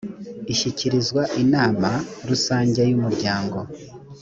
ishyikirizwa inama rusange y umuryango